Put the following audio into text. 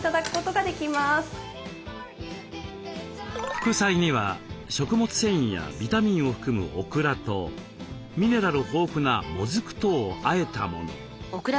副菜には食物繊維やビタミンを含むオクラとミネラル豊富なモズクとをあえたもの。